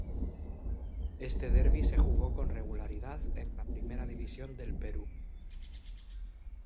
Este derby se jugó con regularidad en la Primera División del Perú.